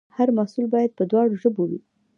هر محصول باید په دواړو ژبو وي.